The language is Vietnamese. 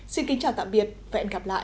xin kính chào tạm biệt và hẹn gặp lại